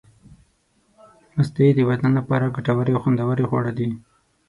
مستې د بدن لپاره ګټورې او خوندورې خواړه دي.